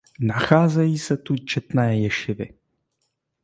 Nacházejí se tu četné ješivy.